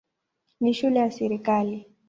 Ni shule ya serikali.